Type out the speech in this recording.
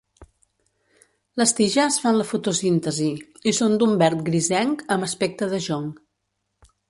Les tiges fan la fotosíntesi i són d'un verd grisenc amb aspecte de jonc.